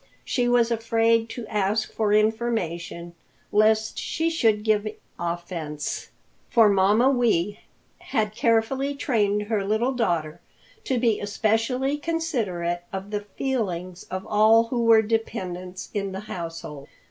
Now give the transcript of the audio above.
She was afraid to ask for information, lest she should give offense, for Mamma Wee had carefully trained her little daughter to be especially considerate of the feelings of all who were dependents in the household.